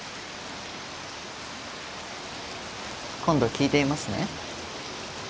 今度聴いてみますね。